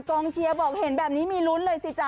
กองเชียร์บอกเห็นแบบนี้มีลุ้นเลยสิจ๊